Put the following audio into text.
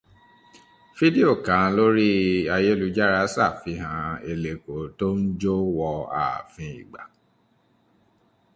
Fídíò kan lórí ayélujára ṣàfihàn Eleko tó ń jó wọ ààfin Ìgà.